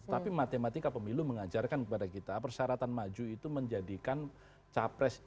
tetapi matematika pemilu mengajarkan kepada kita persyaratan maju itu menjadikan capres